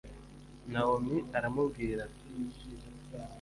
nawomi aramubwira ati